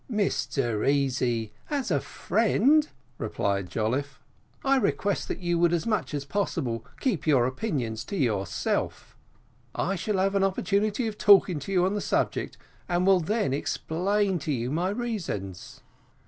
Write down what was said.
"Mr Easy, as a friend," replied Jolliffe, "I request that you would as much as possible keep your opinions to yourself: I shall have an opportunity of talking to you on the subject, and will then explain to you my reasons."